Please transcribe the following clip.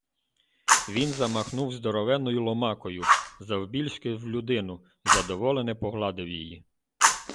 Він замахнувсь здоровенною ломакою, завбільшки в людину, й задоволене погладив її.